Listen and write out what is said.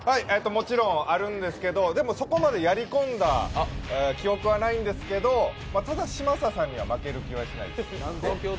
もちろんあるんですけれどもでもそこまでやりこんだ記憶はないんですけど、ただ、嶋佐さんには負ける気はしないです。